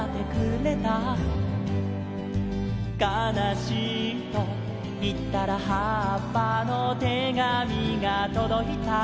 「かなしいといったらはっぱの手紙がとどいたよ」